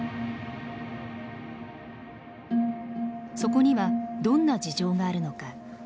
そこにはどんな事情があるのか。